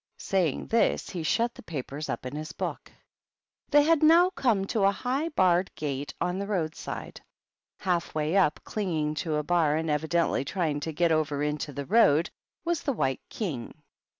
Saying this, he shut the papers up in his book. They had now come to a high barred gate on the roadside. Half way up, clinging to a bar and evidently trying to get over into the road, was the White King.